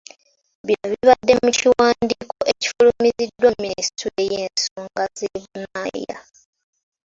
Bino bibadde mu kiwandiiko ekifulumiziddwa minisitule y'ensonga z'ebunaayira.